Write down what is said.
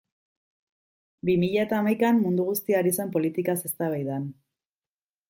Bi mila eta hamaikan mundu guztia ari zen politikaz eztabaidan.